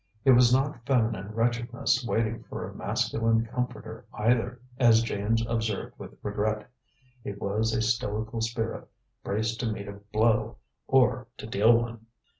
It was not feminine wretchedness waiting for a masculine comforter, either, as James observed with regret; it was a stoical spirit, braced to meet a blow or to deal one.